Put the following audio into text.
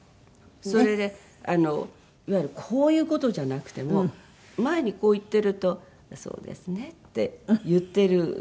それであのいわゆるこういう事じゃなくても前にこういってると「そうですね」って言ってる感じ。